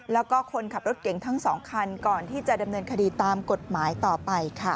แล้วก็คนขับรถเก่งทั้ง๒คันก่อนที่จะดำเนินคดีตามกฎหมายต่อไปค่ะ